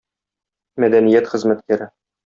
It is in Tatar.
мәдәният хезмәткәре.